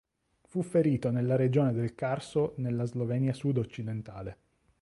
Fu ferito nella regione del Carso nella Slovenia sudoccidentale.